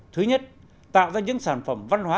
thứ nhất tạo ra những sản phẩm văn hóa